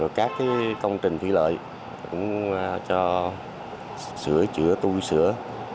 rồi các cái công trình phi lợi cũng cho sửa chữa tui sửa